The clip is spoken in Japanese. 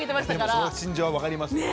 でもその心情は分かりますけど。